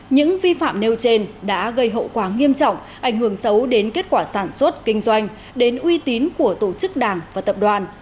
những vi phạm nêu trên đã gây hậu quả nghiêm trọng ảnh hưởng xấu đến kết quả sản xuất kinh doanh đến uy tín của tổ chức đảng và tập đoàn